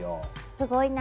すごいな。